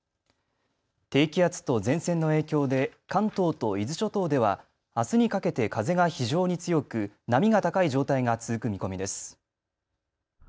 低気圧と前線の影響で関東と伊豆諸島ではあすにかけて風が非常に強く波が高い状態が続く見込みです。